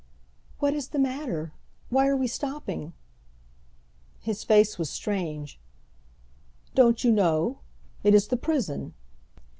"What is the matter? Why are we stopping?" His face was strange. "Don't you know? It is the prison."